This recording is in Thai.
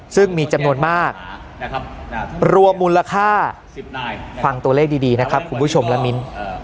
ซึ่งมีจำนวนมากนะครับรวมมูลค่าฟังตัวเลขดีนะครับคุณผู้ชมละมิ้น